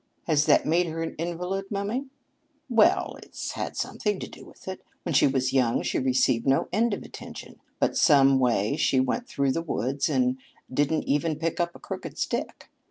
"Has that made her an invalid, mummy?" "Well, it's had something to do with it. When she was young she received no end of attention, but some way she went through the woods and didn't even pick up a crooked stick.